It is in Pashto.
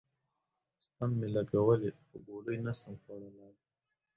ستن می لګولی خو ګولی نسم خوړلای